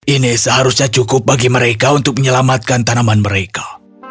ini seharusnya cukup bagi mereka untuk menyelamatkan tanaman mereka